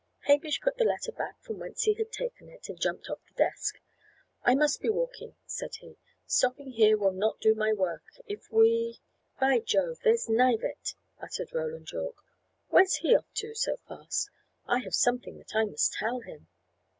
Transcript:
Hamish put the letter back from whence he had taken it, and jumped off the desk. "I must be walking," said he. "Stopping here will not do my work. If we " "By Jove! there's Knivett!" uttered Roland Yorke. "Where's he off to, so fast? I have something that I must tell him."